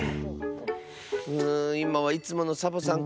うんいまはいつものサボさんか。